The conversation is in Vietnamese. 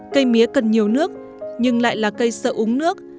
cây mía cần nhiều nước nhưng lại là cây sợ uống nước